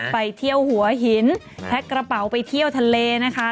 ไปเที่ยวหัวหินแพ็คกระเป๋าไปเที่ยวทะเลนะคะ